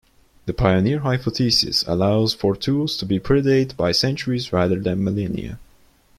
The pioneer hypothesis allows for tools to predate by centuries rather than millennia.